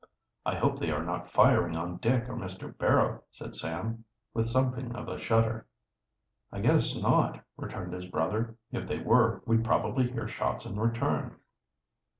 "I hope they are not firing on Dick or Mr. Barrow," said Sam, with something of a shudder. "I guess not," returned his brother. "If they were, we'd probably hear shots in return."